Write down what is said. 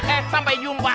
eh sampai jumpa